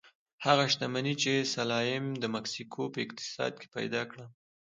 هغه شتمني چې سلایم د مکسیکو په اقتصاد کې پیدا کړه.